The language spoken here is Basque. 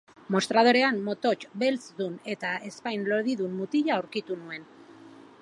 Mostradorean motots belzdun eta ezpain lodidun mutila aurkitu nuen.